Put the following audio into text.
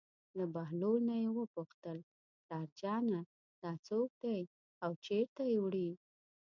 له بهلول نه یې وپوښتل: پلارجانه دا څوک دی او چېرته یې وړي.